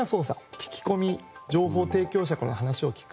聞き込み情報提供者から話を聞く。